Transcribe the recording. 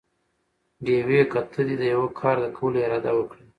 ډېوې!! که ته دې يوه کار د کولو اراده وکړي؟